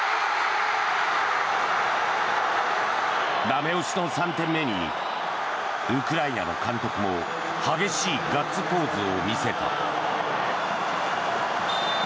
駄目押しの３点目にウクライナの監督も激しいガッツポーズを見せた。